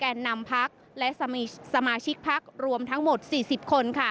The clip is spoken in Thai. แก่นนำภักดิ์และสมาชิกภักดิ์รวมทั้งหมด๔๐คน